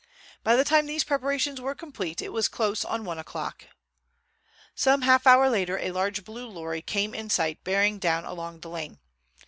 By the time these preparations were complete it was close on one o'clock. Some half hour later a large blue lorry came in sight bearing down along the lane.